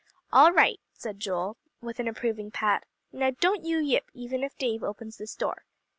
"All right," said Joel, with an approving pat. "Now don't you yip, even if Dave opens this door."